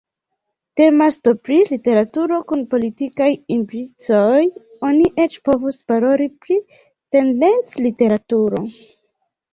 Temas do pri literaturo kun politikaj implicoj, oni eĉ povus paroli pri “tendenc-literaturo”.